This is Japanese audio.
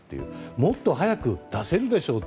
もっと早く出せるでしょうと。